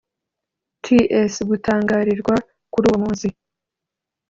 Ts gutangarirwa kuri uwo munsi